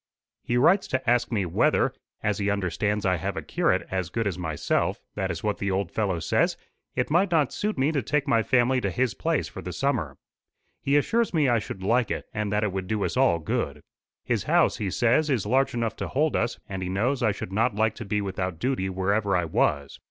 He writes to ask me whether, as he understands I have a curate as good as myself that is what the old fellow says it might not suit me to take my family to his place for the summer. He assures me I should like it, and that it would do us all good. His house, he says, is large enough to hold us, and he knows I should not like to be without duty wherever I was.